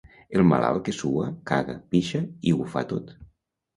El malalt que sua, caga, pixa i ho fa tot.